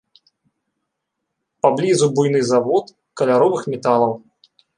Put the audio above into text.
Паблізу буйны завод каляровых металаў.